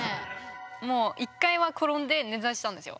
もう１回は転んで捻挫したんですよ。